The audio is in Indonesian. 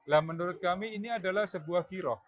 lah menurut kami ini adalah sebuah giroh